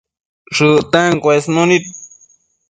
shëcten cuesnunid